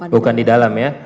bukan di dalam ya